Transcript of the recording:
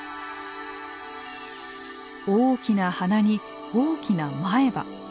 大きな鼻に大きな前歯。